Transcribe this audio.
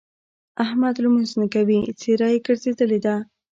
احمد لمونځ نه کوي؛ څېره يې ګرځېدلې ده.